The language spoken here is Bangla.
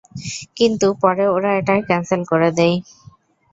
কিন্তু, পরে ওরা এটা ক্যান্সেল করে দেয়!